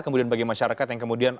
kemudian bagi masyarakat yang kemudian